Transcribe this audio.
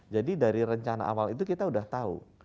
jadi dari rencana awal itu kita udah tahu